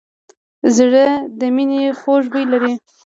زړه د مینې خوږ بوی لري.